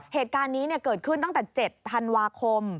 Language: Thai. เหตุการณ์นี้เกิดขึ้นตั้งแต่๗ธันวาคม